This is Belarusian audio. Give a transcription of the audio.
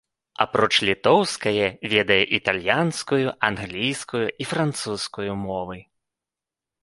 Апроч літоўскае, ведае італьянскую, англійскую і французскую мовы.